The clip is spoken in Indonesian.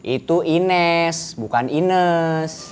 itu ines bukan ines